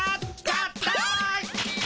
合体！